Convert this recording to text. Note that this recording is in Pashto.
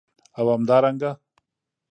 او همدارنګه